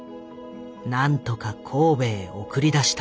なんとか神戸へ送り出した。